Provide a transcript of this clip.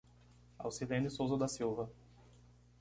Alcilene Souza da Silva